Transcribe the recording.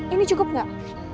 ini cukup gak